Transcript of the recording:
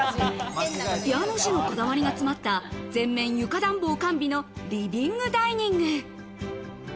家主のこだわりが詰まった全面床暖房完備のリビングダイニング。